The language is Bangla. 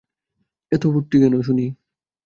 এত ফুর্তি কেন শুনি?